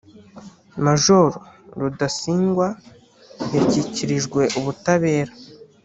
Major Rudasingwa yashyikirijwe ubutabera